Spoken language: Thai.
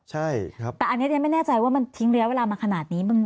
แต่อันนี้แรงแน่ใจว่ามันทิ้งเลี้ยเวลามาขนาดนี้